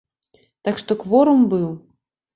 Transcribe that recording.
Так што кворум быў.